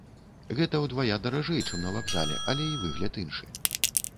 Гэта ўдвая даражэй, чым на вакзале, але і выгляд іншы.